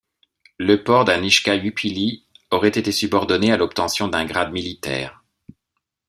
Le port d'un ichcahuipilli aurait été subordonné à l'obtention d'un grade militaire.